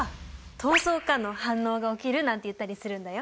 逃走かの反応が起きるなんて言ったりするんだよ。